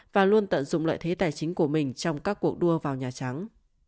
và luôn tận dụng lợi thế tài chính của mình trong các cuộc đua vào nhà trắng